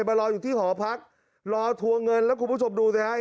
มารออยู่ที่หอพักรอทัวร์เงินแล้วคุณผู้ชมดูสิฮะ